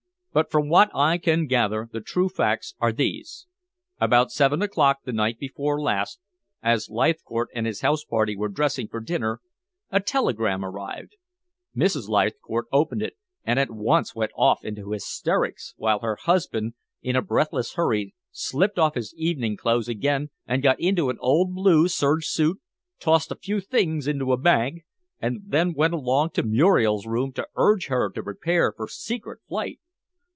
"But from what I can gather the true facts are these: About seven o'clock the night before last, as Leithcourt and his house party were dressing for dinner, a telegram arrived. Mrs. Leithcourt opened it, and at once went off into hysterics, while her husband, in a breathless hurry, slipped off his evening clothes again and got into an old blue serge suit, tossed a few things into a bag, and then went along to Muriel's room to urge her to prepare for secret flight."